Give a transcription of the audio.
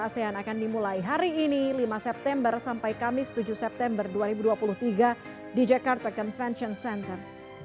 asean akan dimulai hari ini lima september sampai kamis tujuh september dua ribu dua puluh tiga di jakarta convention center